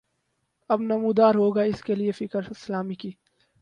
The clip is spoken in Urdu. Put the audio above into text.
اب نمودار ہوگا اس کے لیے فکر اسلامی کی